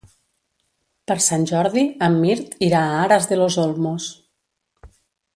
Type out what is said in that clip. Per Sant Jordi en Mirt irà a Aras de los Olmos.